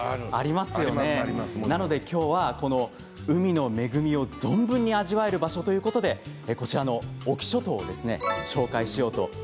きょうは海の恵みを存分に味わえる場所ということで隠岐諸島をご紹介します。